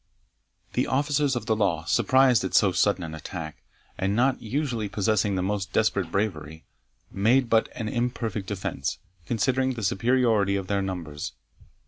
The officers of the law, surprised at so sudden an attack, and not usually possessing the most desperate bravery, made but an imperfect defence, considering the superiority of their numbers.